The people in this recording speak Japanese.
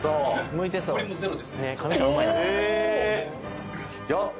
さすがですやっ